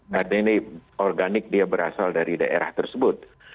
dan ini organik dia berasal dari daerah tersebut